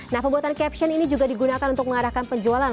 nah pembuatan caption ini juga digunakan untuk mengarahkan penjualan